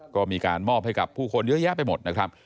ก็มีการมอบให้กับผู้คนเยอะแยะไปหมดนะครับ